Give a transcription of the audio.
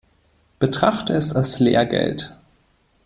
Betrachte es als Lehrgeld.